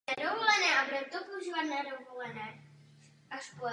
Filtr umožňuje fotografovi snížit příliš velký rozsah expozice scény.